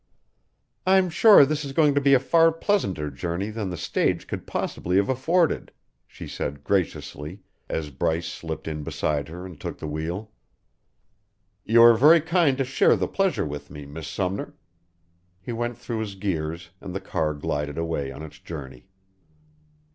"I'm sure this is going to be a far pleasanter journey than the stage could possibly have afforded," she said graciously as Bryce slipped in beside her and took the wheel. "You are very kind to share the pleasure with me, Miss Sumner." He went through his gears, and the car glided away on its journey.